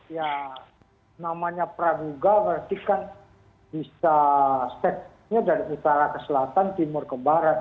ya namanya praduga berarti kan bisa stepnya dari utara ke selatan timur ke barat